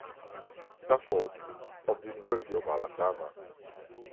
Saffold, of the University of Alabama.